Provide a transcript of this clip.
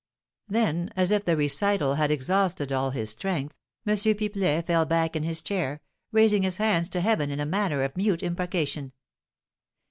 Then, as if the recital had exhausted all his strength, M. Pipelet fell back in his chair, raising his hands to heaven in a manner of mute imprecation.